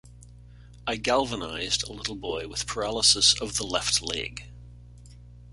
I galvanized a little boy with paralysis of the left leg.